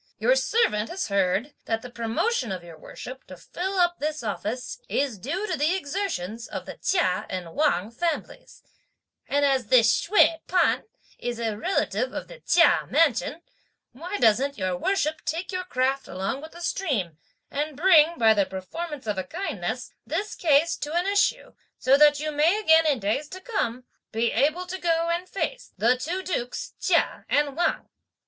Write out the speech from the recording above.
Your servant has heard that the promotion of your worship to fill up this office is due to the exertions of the Chia and Wang families; and as this Hsüeh P'an is a relative of the Chia mansion, why doesn't your worship take your craft along with the stream, and bring, by the performance of a kindness, this case to an issue, so that you may again in days to come, be able to go and face the two Dukes Chia and Wang?"